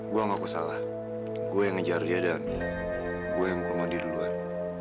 gue ngaku salah gue yang ngejar dia dan gue yang ngurung mondi duluan